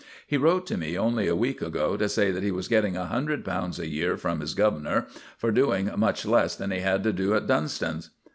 He wrote to me only a week ago to say that he was getting a hundred pounds a year from his governor for doing much less than he had to do at Dunston's.